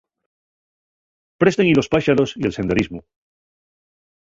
Présten-y los páxaros y el senderismu.